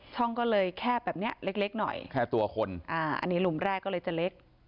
ช่องก็เลยแค่แบบนี้เล็กหน่อยอันนี้หลุมแรกก็จะเล็ก